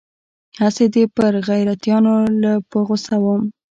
هسې دې بې غيرتانو له په غوسه وم.